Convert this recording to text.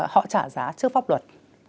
họ trả giá trước pháp luật